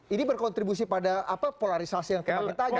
ini berkontribusi pada apa polarisasi yang kita ajak